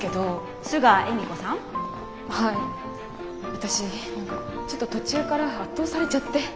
私ちょっと途中から圧倒されちゃって。